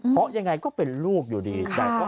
เพราะยังไงก็เป็นลูกอยู่ดี